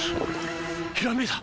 ひらめいた！